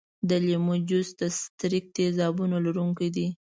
د لیمو جوس د ستریک تیزابونو لرونکی دی.